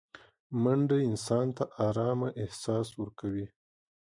منډه انسان ته ارامه احساس ورکوي